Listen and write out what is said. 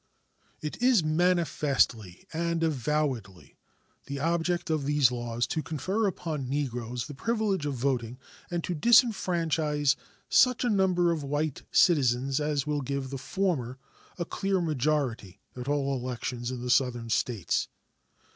It is manifestly and avowedly the object of these laws to confer upon Negroes the privilege of voting and to disfranchise such a number of white citizens as will give the former a clear majority at all elections in the Southern States.